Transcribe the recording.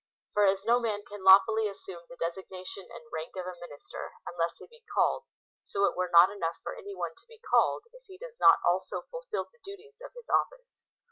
For as no man can lawfully assume the designation and rank of a minister, unless he be called, so it were not enough for any one to be called, if he does not also fulfil the duties of his office.